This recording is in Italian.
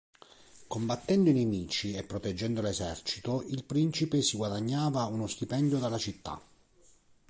Combattendo i nemici e proteggendo l'esercito, il principe si guadagnava uno stipendio dalla città.